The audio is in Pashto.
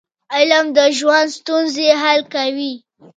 علم د ژوند ستونزې حل کوي.